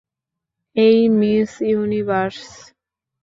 এই Miss universe.